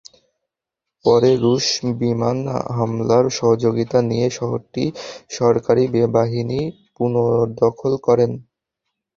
পরে রুশ বিমান হামলার সহযোগিতা নিয়ে শহরটি সরকারি বাহিনী পুনর্দখল করে।